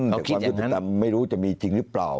แต่ความยุติธรรมไม่รู้จะมีจริงหรือเปล่า